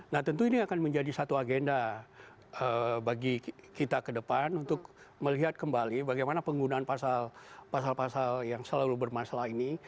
nah tentu ini akan menjadi satu agenda bagi kita ke depan untuk melihat kembali bagaimana penggunaan pasal pasal yang selalu bermasalah ini